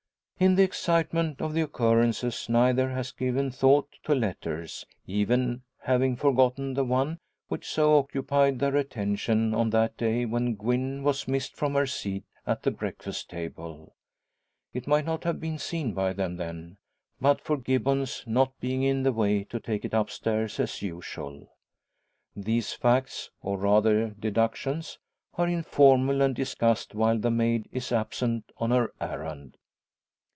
In the excitement of occurrences neither has given thought to letters, even having forgotten the one which so occupied their attention on that day when Gwen was missed from her seat at the breakfast table. It might not have been seen by them then, but for Gibbons not being in the way to take it upstairs as usual. These facts, or rather deductions, are informal, and discussed while the maid is absent on her errand.